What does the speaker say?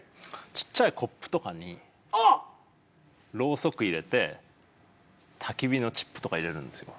ちっちゃいコップとかにろうそく入れてたき火のチップとか入れるんですよ。